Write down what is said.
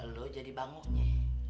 lo jadi bangonya